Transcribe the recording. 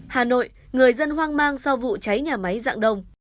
hà nội người dân hoang mang sau vụ cháy nhà máy dạng đông